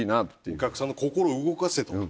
お客さんの心を動かせと。